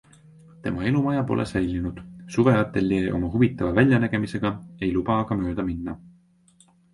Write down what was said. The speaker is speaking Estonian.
Tema elumaja pole säilinud, suveateljee oma huvitava väljanägemisega ei luba aga mööda minna.